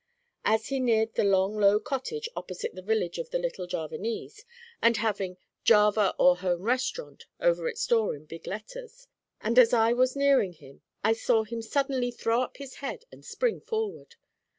As he neared the long low cottage opposite the village of the little Javanese, and having 'Java or Home Restaurant' over its door in big letters, and as I was nearing him, I saw him suddenly throw up his head and spring forward.